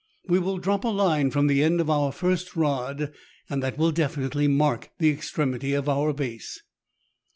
We will drop a line from the end of our first rod, and that will definitely mark the extremity of our base."